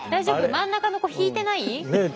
真ん中の子引いてない？ねえ。